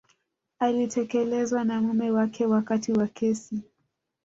alitelekezwa na mume wake wakati wa kesi